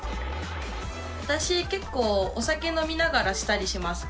私結構お酒飲みながらしたりします。